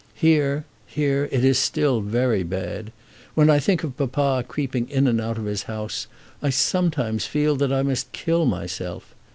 Here, here, it is still very bad. When I think of papa creeping in and out of his house, I sometimes feel that I must kill myself.